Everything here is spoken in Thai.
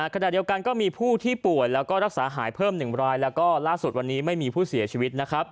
ขณะเดียวกันก็มีผู้ที่ป่วยแล้วก็รักษาหายเพิ่ม๑รายแล้วก็ล่าสุดวันนี้ไม่มีผู้เสียชีวิตนะครับ